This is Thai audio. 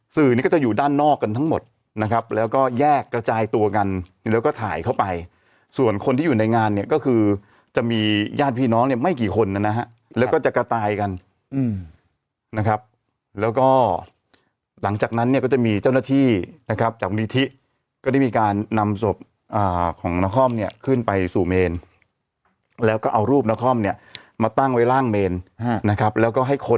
สื่อนี้ก็จะอยู่ด้านนอกกันทั้งหมดนะครับแล้วก็แยกกระจายตัวกันแล้วก็ถ่ายเข้าไปส่วนคนที่อยู่ในงานเนี่ยก็คือจะมีญาติพี่น้องเนี่ยไม่กี่คนนะฮะแล้วก็จะกระจายกันนะครับแล้วก็หลังจากนั้นเนี่ยก็จะมีเจ้าหน้าที่นะครับจากมูลนิธิก็ได้มีการนำศพของนครเนี่ยขึ้นไปสู่เมนแล้วก็เอารูปนครเนี่ยมาตั้งไว้ล่างเมนนะครับแล้วก็ให้ค้น